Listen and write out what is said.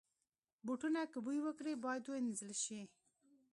بوټونه که بوی وکړي، باید وینځل شي.